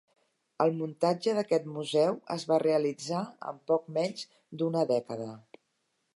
El muntatge d'aquest museu es va realitzar en poc menys d’una dècada.